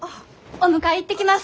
お迎え行ってきます！